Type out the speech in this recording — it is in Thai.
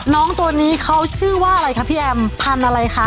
น้องตัวนี้เขาชื่อว่าอะไรคะพี่แอมพันธุ์อะไรคะ